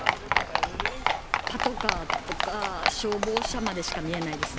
パトカーとか、消防車までしか見えないですね。